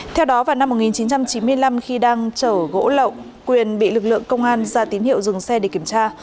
theo đó vào năm một nghìn chín trăm chín mươi năm khi đang chở gỗ lậu quyền bị lực lượng công an ra tín hiệu dừng xe để kiểm tra